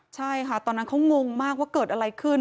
ใช่ค่ะตอนนั้นเขางงมากว่าเกิดอะไรขึ้น